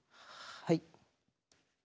はい。